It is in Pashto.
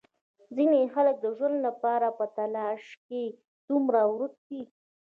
ځینې خلک د ژوند لپاره په تلاش کې دومره ورک دي.